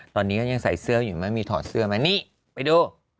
ตอนนี้ยังใส่เสื้ออยู่ไหมมีถอดเสื้อไปที่นี่